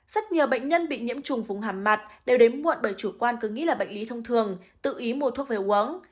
rất nhiều bệnh nhân bị nhiễm trùng vùng hàm mặt đều đến muộn bởi chủ quan cứ nghĩ là bệnh lý thông thường tự ý mua thuốc về uống